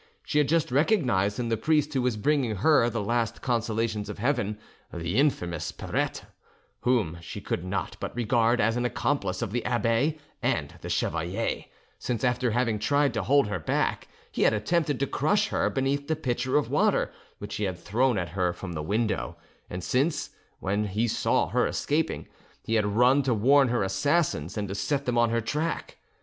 She had just recognised in the priest who was bringing her the last consolations of Heaven the infamous Perette, whom she could not but regard as an accomplice of the abbe and the chevalier, since, after having tried to hold her back, he had attempted to crush her beneath the pitcher of water which he had thrown at her from the window, and since, when he saw her escaping, he had run to warn her assassins and to set them on her track.